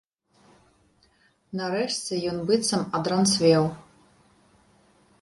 Нарэшце ён быццам адранцвеў.